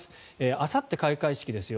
あさって開会式ですよ。